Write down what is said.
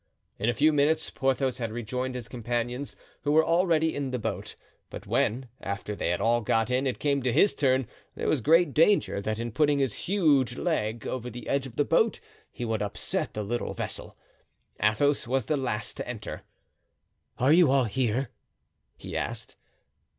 In a few minutes Porthos had rejoined his companions, who were already in the boat; but when, after they had all got in, it came to his turn, there was great danger that in putting his huge leg over the edge of the boat he would upset the little vessel. Athos was the last to enter. "Are you all here?" he asked.